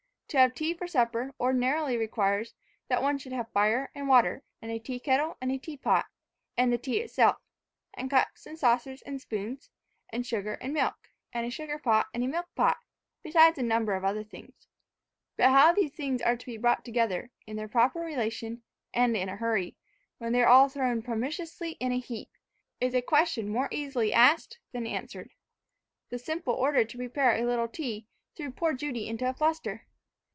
To have tea for supper ordinarily requires that one should have fire and water, and a tea kettle and a tea pot, and the tea itself, and cups and saucers and spoons, and sugar and milk, and a sugar pot and milk pot, besides a number of other things. But how these things are to be brought together, in their proper relation, and in a hurry, when they are all thrown promiscuously in a heap, is a question more easily asked than answered. The simple order to prepare a little tea threw poor Judy into a fluster.